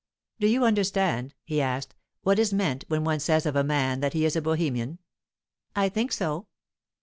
"Do you understand," he asked, "what is meant when one says of a man that he is a Bohemian?" "I think so."